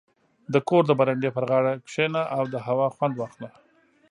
• د کور د برنډې پر غاړه کښېنه او د هوا خوند واخله.